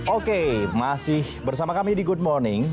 oke masih bersama kami di good morning